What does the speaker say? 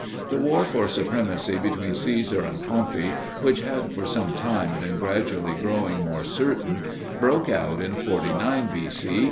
The war for supremacy between Caesar and Pompey which had for some time been gradually growing more certain, broke out in 49 B.C.